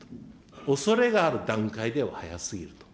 おそれがある段階では早すぎると。